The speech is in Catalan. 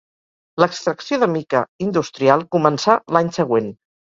L'extracció de mica industrial començà l'any següent.